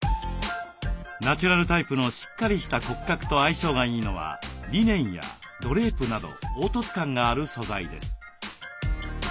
ナチュラルタイプのしっかりした骨格と相性がいいのはリネンやドレープなど凹凸感がある素材です。